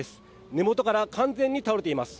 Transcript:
根元から完全に倒れています。